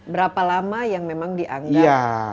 berapa lama yang memang dianggap